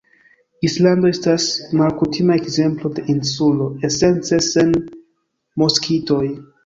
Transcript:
Islando estas malkutima ekzemplo de insulo, esence sen moskitoj.